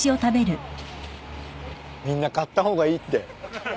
みんな買った方がいいって。